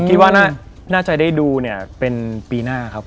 คิดว่าน่าใจได้ดูเป็นปีหน้าครับผม